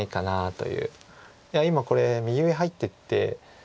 いや今これ右上入ってって。